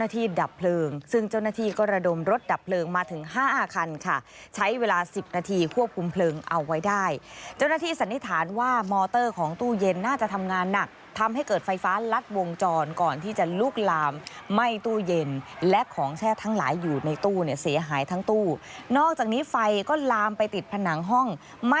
ที่ดับเพลิงซึ่งเจ้าหน้าที่ก็ระดมรถดับเพลิงมาถึงห้าคันค่ะใช้เวลาสิบนาทีควบคุมเพลิงเอาไว้ได้เจ้าหน้าที่สันนิษฐานว่ามอเตอร์ของตู้เย็นน่าจะทำงานหนักทำให้เกิดไฟฟ้าลัดวงจรก่อนที่จะลุกลามไหม้ตู้เย็นและของแช่ทั้งหลายอยู่ในตู้เนี่ยเสียหายทั้งตู้นอกจากนี้ไฟก็ลามไปติดผนังห้องม